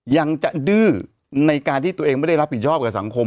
ยังจะดื้อในการที่ตัวเองไม่ได้รับผิดชอบกับสังคม